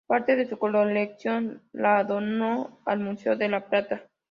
Parte de su colección la donó al Museo de La Plata.